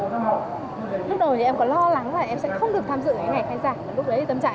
lúc đầu em có lo lắng là em sẽ không được tham dự ngày hội khai giảng